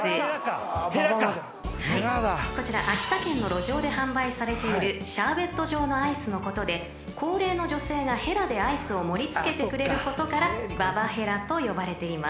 ［こちら秋田県の路上で販売されているシャーベット状のアイスのことで高齢の女性がヘラでアイスを盛り付けてくれることからババヘラと呼ばれています］